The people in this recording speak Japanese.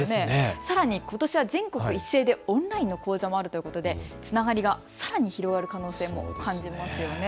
さらにことしは全国一斉でオンラインの講座もあるということでつながりがさらに広がる可能性を感じますよね。